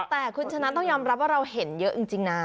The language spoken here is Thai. แต่คุณชนะต้องยอมรับว่าเราเห็นเยอะจริงนะ